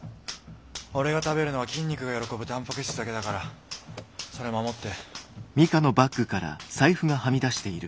オレが食べるのは筋肉が喜ぶタンパク質だけだからそれ守って。